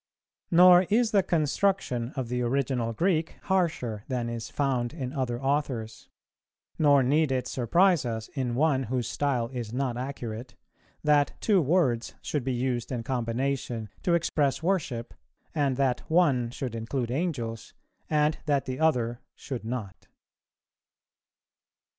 Nor is the construction of the original Greek harsher than is found in other authors; nor need it surprise us in one whose style is not accurate, that two words should be used in combination to express worship, and that one should include Angels, and that the other should not.